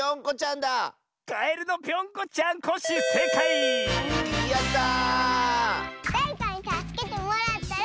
「だれかにたすけてもらったら」